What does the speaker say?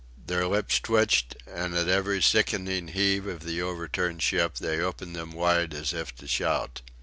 Their lips twitched, and at every sickening heave of the overturned ship they opened them wide as if to shout.